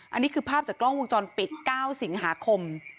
อันนี้คือภาพจากกล้องวงจรปิด๙สิงหาคม